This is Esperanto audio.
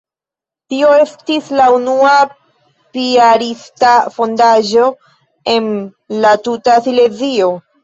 Tio estis la unua piarista fondaĵo en la tuta Silezio.